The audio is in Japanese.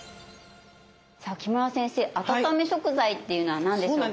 さあ木村先生温め食材っていうのは何でしょうか？